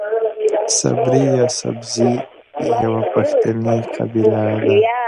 صبري يا سبري يوۀ پښتني قبيله ده.